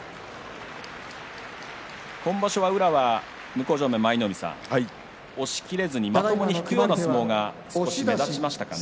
今場所は宇良は向正面の舞の海さん押しきれずにまともに引くような相撲が目立ちましたかね。